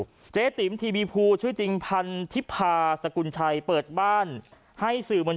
คือเมื่อก่อนเนี่ยแกออกสื่อบ่อยมาก